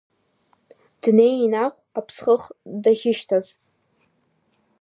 Днеит ахә, аԥсхых дахьышьҭаз.